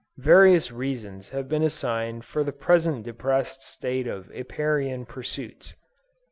Various reasons have been assigned for the present depressed state of Apiarian pursuits.